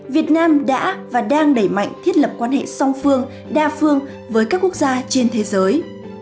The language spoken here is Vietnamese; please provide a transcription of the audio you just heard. việt nam đã và đang đẩy mạnh thiết lập quan hệ song phương đa phương với các quốc gia trên thế giới